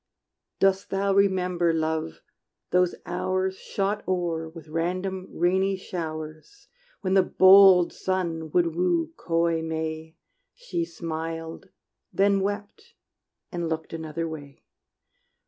Dost thou remember, Love, those hours Shot o'er with random rainy showers, When the bold sun would woo coy May? She smiled, then wept and looked another way.